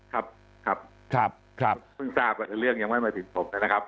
ครับครับครับครับเพิ่งทราบเรื่องยังไม่มาถิ่นผมนะครับ